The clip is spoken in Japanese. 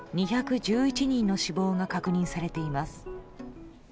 ２１１人の死亡が確認されています。